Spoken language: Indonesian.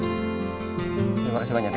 terima kasih banyak ya